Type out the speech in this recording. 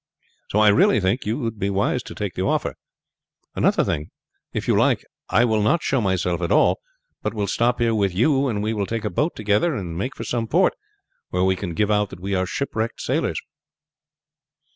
So I really think you would be wise to take the offer. Another thing, if you like I will not show myself at all, but will stop here with you, and we will take a boat together and make for some port, where we can give out that we are shipwrecked sailors."